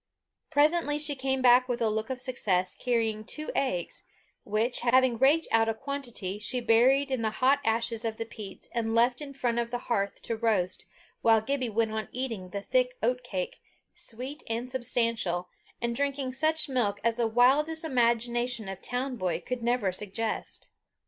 Presently she came back with a look of success, carrying two eggs, which, having raked out a quantity, she buried in the hot ashes of the peats, and left in front of the hearth to roast, while Gibbie went on eating the thick oatcake, sweet and substantial, and drinking such milk as the wildest imagination of town boy could never suggest.